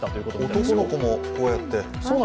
男の子もこうやって。